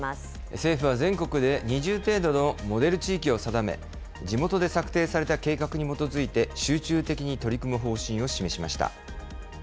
政府は全国で２０程度のモデル地域を定め、地元で策定された計画に基づいて集中的に取り組む方針を示しました。